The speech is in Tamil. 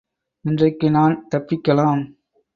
இன்றைக்கு நான் தப்பிக்கலாம்.